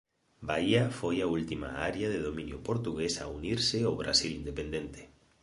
Bahia foi a última área de dominio portugués a unirse ó Brasil independente.